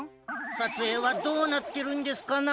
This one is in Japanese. さつえいはどうなってるんですかな？